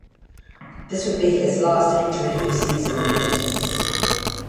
This would be his last injury-free season in the majors.